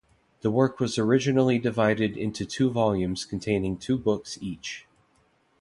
The work was originally divided into two volumes containing two books each.